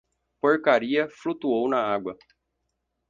Porcaria flutuou na água.